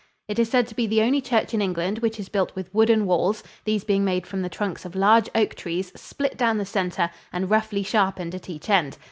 It is said to be the only church in England which is built with wooden walls, these being made from the trunks of large oak trees split down the center and roughly sharpened at each end.